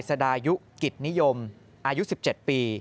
สดายุกิจนิยมอายุ๑๗ปี